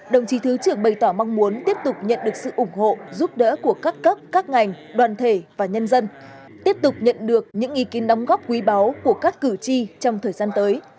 đồng chí thứ trưởng bày tỏ mong muốn tiếp tục nhận được sự ủng hộ giúp đỡ của các cấp các ngành đoàn thể và nhân dân tiếp tục nhận được những ý kiến đóng góp quý báu của các cử tri trong thời gian tới